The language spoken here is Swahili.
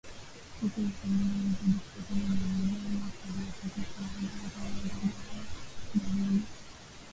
Kupe husambaza vijidudu kutoka kwa mnyama aliyeathirika na ugonjwa wa ndigana baridi